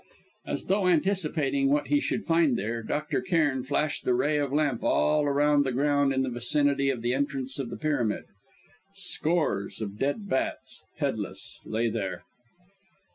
As though anticipating what he should find there, Dr. Cairn flashed the ray of the lamp all about the ground in the vicinity of the entrance to the pyramid. Scores of dead bats, headless, lay there.